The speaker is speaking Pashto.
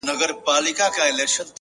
پوهه او عاجزي ښکلی ترکیب دی.!